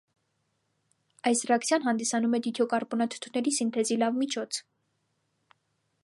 Այս ռեակցիան հանդիսանում է դիթիոկարբոնաթթուների սինթեզի լավ միջոց։